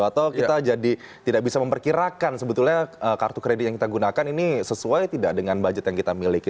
atau kita jadi tidak bisa memperkirakan sebetulnya kartu kredit yang kita gunakan ini sesuai tidak dengan budget yang kita miliki